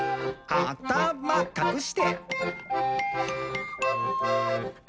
「あたまかくして！」